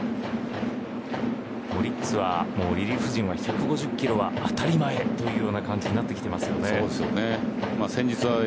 オリックスはリリーフ陣は１５０キロは当たり前という感じになってきてますよね。